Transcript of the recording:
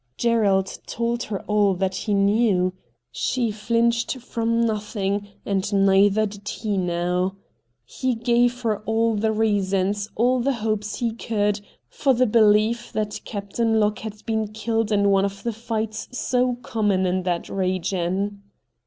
Gerald told her all that he knew. She flinched from nothing, and neither did he now. He gave her all the reasons, all the hopes he could, for the belief that Captain Locke had been killed in one of the fights so common in that region.